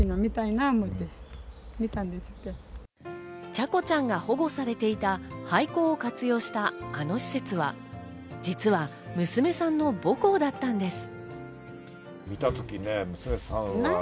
チャコちゃんが保護されていた廃校を活用したあの施設は、実は娘さんの母校だったんです。